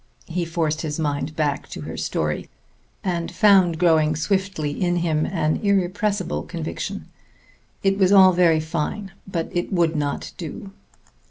He forced his mind back to her story, and found growing swiftly in him an irrepressible conviction. It was all very fine; but it would not do.